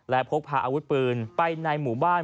และพกพาอาวุธปืนไปในหมู่บ้าน